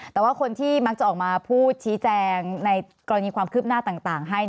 แต่ว่าคนที่มักจะออกมาพูดชี้แจงในกรณีความคืบหน้าต่างให้